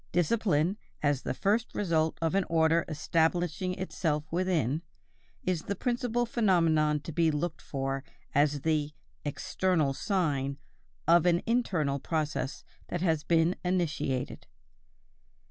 Discipline, as the first result of an order establishing itself within, is the principal phenomenon to be looked for as the "external sign" of an internal process that has been initiated.